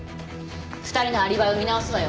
２人のアリバイを見直すわよ。